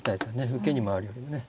受けに回るよりもね。